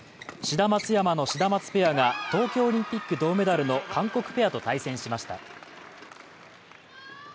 志田・松山のシダマツペアが東京オリンピック銅メダルの韓国ペアと対戦しました。